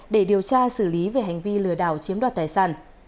để điều tra xử lý về hành vi lừa đảo chiếm đoạt tài sản